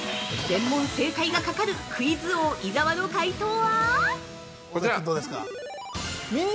◆全問正解がかかるクイズ王・伊沢の解答は？